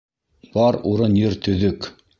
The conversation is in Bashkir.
Бар урын-ер төҙөк.